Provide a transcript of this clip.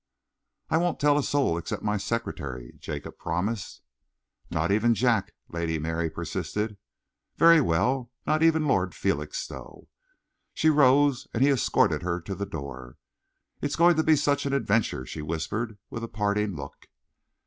"I won't tell a soul except my secretary," Jacob promised. "Not even Jack," Lady Mary persisted. "Very well. Not even Lord Felixstowe." She rose, and he escorted her to the door. "It's going to be such an adventure," she whispered, with a parting look.